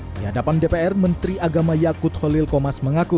di hadapan dpr menteri agama yakut holil komas mengaku